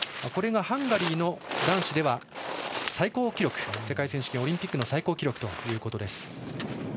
これがハンガリーの男子では世界選手権、オリンピックの最高記録ということです。